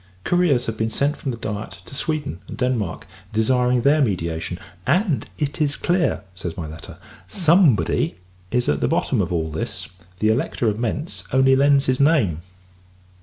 Couriers have been sent from the Diet to Sweden and Denmark, desiring their mediation: "and it is clear," says my letter, "Somebody is at the bottom of all this; the Elector of Mentz only lends his name."